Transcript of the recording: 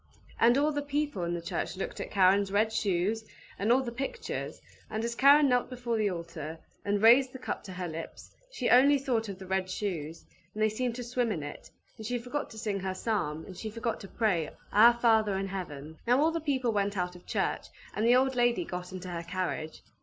And all the people in the church looked at Karen's red shoes, and all the pictures, and as Karen knelt before the altar, and raised the cup to her lips, she only thought of the red shoes, and they seemed to swim in it; and she forgot to sing her psalm, and she forgot to pray, "Our Father in Heaven!" Now all the people went out of church, and the old lady got into her carriage.